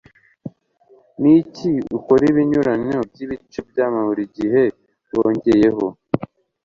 Niki Ukora Ibinyuranyo Byibice Byama Buri gihe Wongeyeho